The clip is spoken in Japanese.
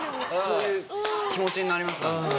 そういう気持ちになりました。